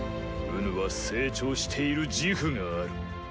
己は成長している自負がある！